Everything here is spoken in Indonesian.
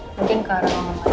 mungkin ke arah ruangan tadi